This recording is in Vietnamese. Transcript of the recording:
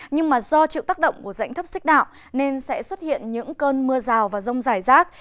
nhưng do chịu tác động của rãnh thấp xích đạo nên sẽ xuất hiện những cơn mưa rào và rông rải rác